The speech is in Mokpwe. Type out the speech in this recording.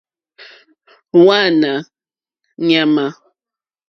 Hwánáá ɲàmà.